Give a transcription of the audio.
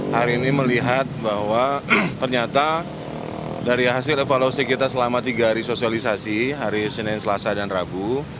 hari ini melihat bahwa ternyata dari hasil evaluasi kita selama tiga hari sosialisasi hari senin selasa dan rabu